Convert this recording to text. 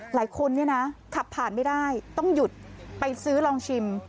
หลายคนเนี่ยนะขับผ่านไม่ได้ต้องหยุดไปซื้อลองชิม